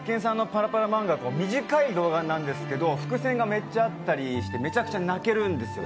短い動画なんですけど、伏線がめっちゃあったりしてめちゃめちゃ泣けるんですよ。